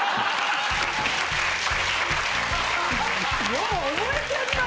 よう覚えてんなあ。